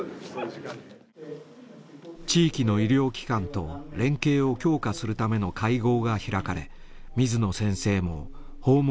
地域の医療機関と連携を強化するための会合が開かれ水野先生も訪問診療への思いを語りました。